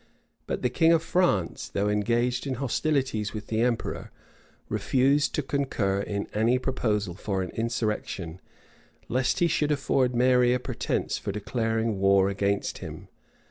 But the king of France, though engaged in hostilities with the emperor, refused to concur in any proposal for an insurrection, lest he should afford Mary a pretence for declaring war against him.